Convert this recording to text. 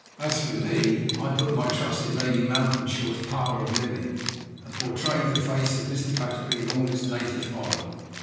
As for me, I put my trust in Lady Malkinshaw's power of living, and portrayed the face of Mr. Batterbury in all its native horror.